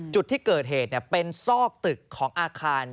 จุดที่เกิดเหตุเป็นซอกตึกของอาคาร